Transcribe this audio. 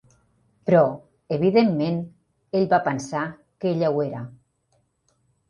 Però, evidentment, ell va pensar que ella ho era.